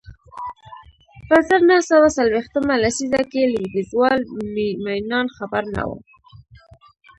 په زر نه سوه څلویښتمه لسیزه کې لوېدیځوال مینان خبر نه و